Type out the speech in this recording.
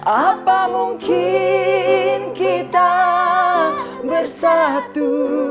apa mungkin kita bersatu